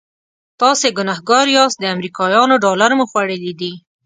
تاسې ګنهګار یاست د امریکایانو ډالر مو خوړلي دي.